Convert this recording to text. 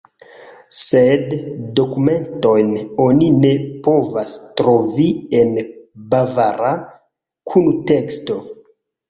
Sed dokumentojn oni ne povas trovi en bavara kunteksto.